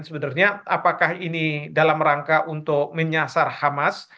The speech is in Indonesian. sebenarnya apakah ini dalam rangka untuk menyasar hamas